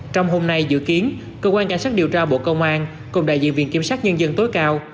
trong hôm nay dự kiến cơ quan cảnh sát điều tra bộ công an cùng đại diện viện kiểm sát nhân dân tối cao